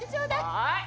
はい。